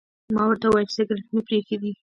ما ورته وویل چې سګرټ مې پرې ایښي دي.